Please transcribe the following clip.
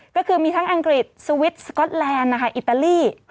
ก็คือมีทั้งอังกฤษสวิตช์สก๊อตแลนด์นะคะอิตาลี